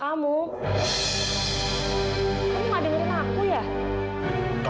kamu gak dengerin aku ya